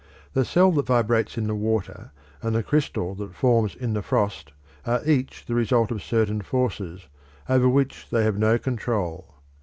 The cell that vibrates in the water, and the crystal that forms in the frost, are each the result of certain forces over which they have no control.